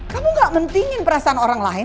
kamu gak mendingin perasaan orang lain